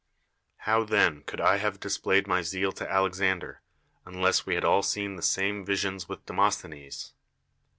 How then could I have displayed my zeal to Alexan der, unless we had all seen the same visions with Demosthenes?